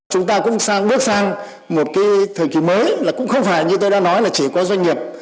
chúng ta cũng bước sang một thời kỳ mới cũng không phải như tôi đã nói là chỉ có doanh nghiệp